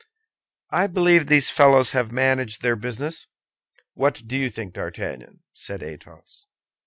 "I believe these fellows have managed their business. What do you think, D'Artagnan?" said Athos.